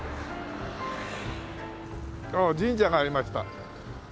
ああ神社がありました。